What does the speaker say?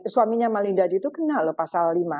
suaminya malinda itu kena loh pasal lima